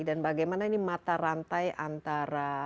dan bagaimana ini mata rantai antara